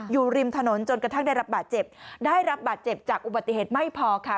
อยู่ริมถนนจนกระทั่งได้รับบาดเจ็บได้รับบาดเจ็บจากอุบัติเหตุไม่พอค่ะ